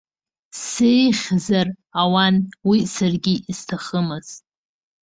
Сеигьӡар ауан, уи саргьы исҭахымыз.